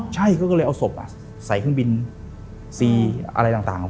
ใช่เขาก็เลยเอาศพใส่เครื่องบินซีอะไรต่าง